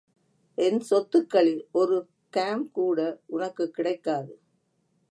என் சொத்துக்களில் ஒரு காம் கூட உனக்கு கிடைக்காது.